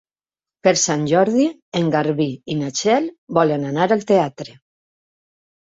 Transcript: Per Sant Jordi en Garbí i na Txell volen anar al teatre.